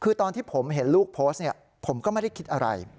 คือตอนที่ผมเห็นลูกโพสต์เนี่ยผมก็ไม่ได้คิดอะไร